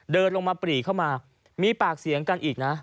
เดินลงมาปรีเข้ามามีปากเสียงกันอีกนะ